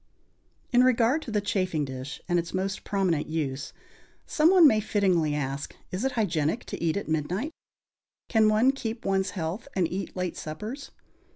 In regard to the chafing dish and its most prominent use, some one may fittingly ask: Is it hygienic to eat at midnight? Can one keep one's health and eat late suppers?